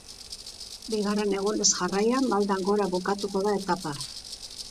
Bigarren egunez jarraian, maldan gora bukatuko da etapa.